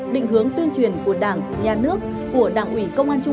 định hướng tuyên truyền của đảng nhà nước của đảng ủy công an trung ương